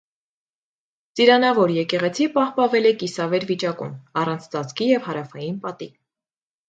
Ծիրանավոր եկեղեցին պահպանվել է կիսավեր վիճակում՝ առանց ծածկի և հարավային պատի։